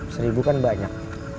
seribu kan banyak